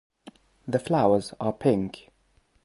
The flowers are pink.